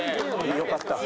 よかった。